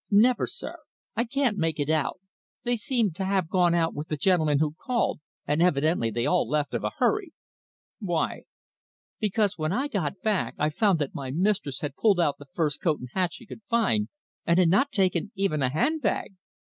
"Never, sir. I can't make it out. They seem to have gone out with the gentleman who called and evidently they left all of a hurry." "Why?" "Because when I got back I found that my mistress had pulled out the first coat and hat she could find, and had not taken even a handbag.